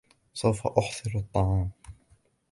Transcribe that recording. سوف أُحضرُ الطعام.